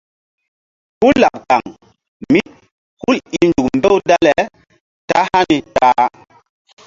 Kú laɓ kaŋ mí hul i nzuk mbew dale ta hani ta-a.